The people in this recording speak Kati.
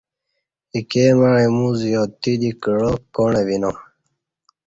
ایکے مع ایمو زیادتی دی کعا کاݨہ وینا۔